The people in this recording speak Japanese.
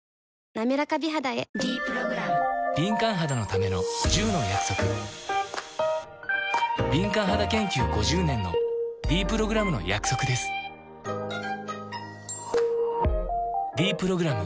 なめらか美肌へ「ｄプログラム」敏感肌研究５０年のｄプログラムの約束です「ｄプログラム」